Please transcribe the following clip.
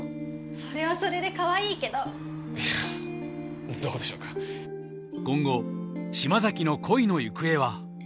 それはそれでかわいいけどいやあどうでしょうか今後嶋崎の恋の行方は？